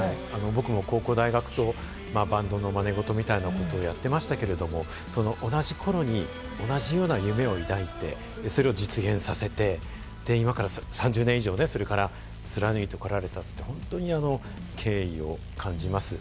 僕も高校、大学とバンドの真似事みたいなことをやっていましたけれども、同じ頃に同じような夢を抱いて、それを実現させて今から３０年以上、それから貫いてこられたと、本当に敬意を感じます。